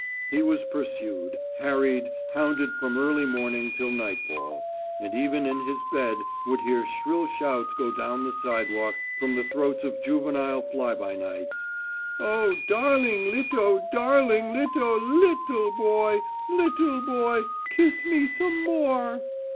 He was pursued, harried, hounded from early morning till nightfall, and even in his bed would hear shrill shouts go down the sidewalk from the throats of juvenile fly by nights: "Oh dar ling lit oh darling lit oh lit le boy, lit le boy, kiss me some more!"